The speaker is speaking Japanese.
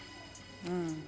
うん。